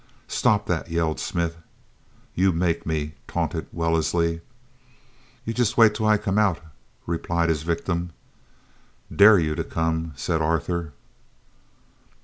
"Stop that!" yelled Smith. "You make me!" taunted Wellesley. "You just wait till I come out," replied his victim. "Dare you to come," said Arthur.